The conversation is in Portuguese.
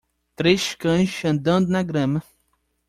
Três cães andando na grama.